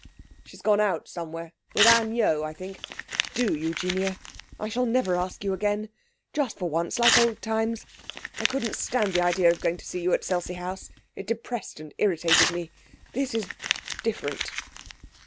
'She's gone out somewhere, with Anne Yeo, I think. Do, Eugenia; I shall never ask you again. Just for once, like old times. I couldn't stand the idea of going to see you at Selsey House; it depressed and irritated me. This is different.'